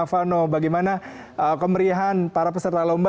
vano bagaimana kemeriahan para peserta lomba